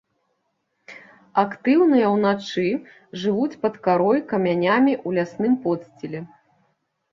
Актыўныя ўначы, жывуць пад карой, камянямі, у лясным подсціле.